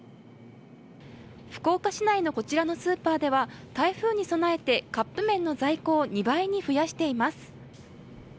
福岡市内のこちらのスーパーでは台風に備えてカップ麺の在庫を２倍に増やしています。